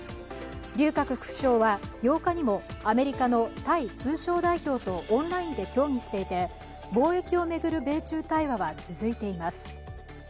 劉鶴副首相は８日にもアメリカのタイ通商代表とオンラインで協議していて、貿易を巡る米中対話は続いています。